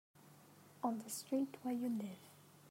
On the street where you live.